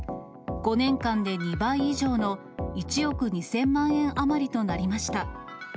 ５年間で２倍以上の１億２０００万円余りとなりました。